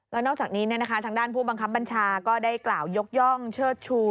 แล้วนอกจากนี้ทางด้านผู้บังคับบัญชาก็ได้กล่าวยกย่องเชิดชู